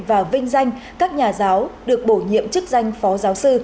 và vinh danh các nhà giáo được bổ nhiệm chức danh phó giáo sư